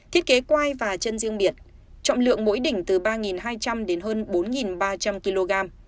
thiết kế quai và chân riêng biệt trọng lượng mỗi đỉnh từ ba hai trăm linh đến hơn bốn ba trăm linh kg